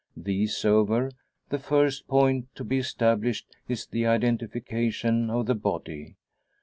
These over, the first point to be established is the identification of the body.